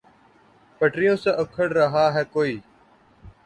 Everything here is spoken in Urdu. پٹریوں سا اکھڑ رہا ہے کوئی